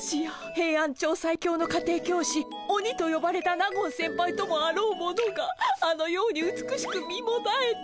ヘイアンチョウ最強の家庭教師オニとよばれた納言先輩ともあろうものがあのように美しく身もだえて。